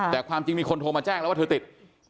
แต่ความจริงมีคนโทรมาแจ้งแล้วว่าเธอติด